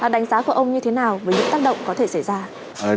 đánh giá của ông như thế nào về những tác động có thể xảy ra